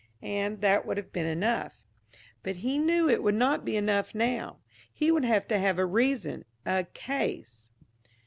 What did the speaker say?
And that would have been enough. But he knew it would not be enough now. He would have to have a reason, a case.